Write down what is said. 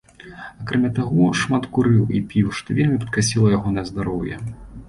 Акрамя таго, шмат курыў і піў, што вельмі падкасіла ягонае здароўе.